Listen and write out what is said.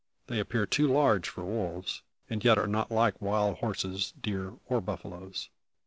They appear too large for wolves, and yet are not like wild horses, deer, or buffaloes.